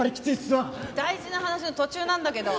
大事な話の途中なんだけど。